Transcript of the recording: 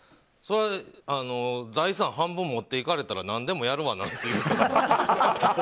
そりゃあ財産を半分持っていかれたら何でもやるわなって。